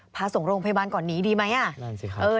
พาส่งโรงพยาบาลก่อนหนีดีมั้ย